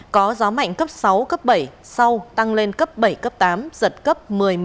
có gió mạnh cấp sáu cấp bảy sau tăng lên cấp bảy cấp tám giật cấp một mươi một